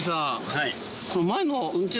はい。